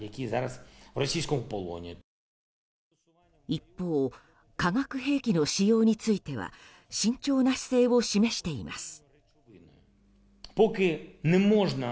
一方化学兵器の使用については慎重な姿勢を示しています。